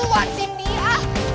lu buat si dia